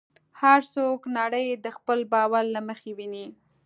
هر څوک نړۍ د خپل باور له مخې ویني.